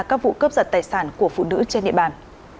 các vụ cướp giật tài sản của phụ nữ trên địa bàn